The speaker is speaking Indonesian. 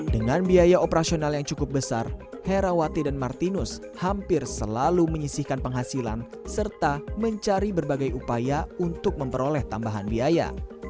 dengan biaya operasional yang cukup besar herawati dan martinus hampir selalu menyisihkan penghasilan serta mencari berbagai upaya untuk memperoleh tambahan biaya